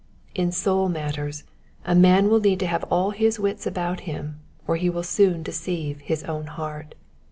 In soul matters a man will need to have all his wits about him, or he will soon decdve his own heart.